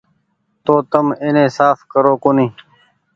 تو تم ايني ساڦ ڪرو ڪونيٚ ۔